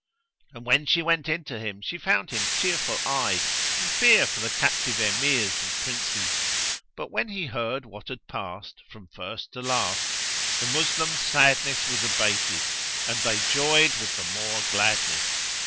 And when she went in to him she found him tearful eyed, in fear for the captive Emirs and Princes; but when he heard what had passed, from first to last, the Moslem's sadness was abated and they joyed with the more gladness.